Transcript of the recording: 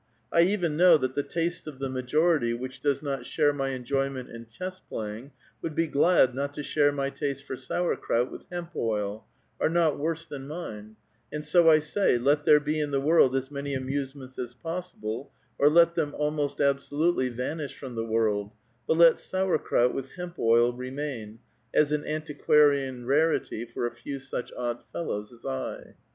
I even kuow that the tastes of the majority which does not share my eu joyineut in chess playing, would be glad not to share my taste for sauerkraut with hemp oil, are not worse than mine ; and so I say : let there be in the world as mauy amusements as ]>ossible, or let them almost absolutely vanish from the world, but let sauerkraut with hemp oil remaiu, as an antiquarian raritv for a few such o<lil fellows as I.